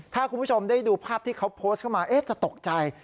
ถ้าคุณผู้ชมได้ดูภาพที่เขาโพสต์เข้ามาจะตกใจ